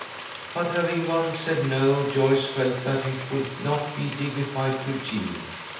But having once said no, Joyce felt that it would not be dignified to yield.